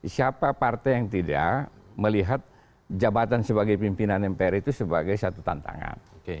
siapa partai yang tidak melihat jabatan sebagai pimpinan mpr itu sebagai satu tantangan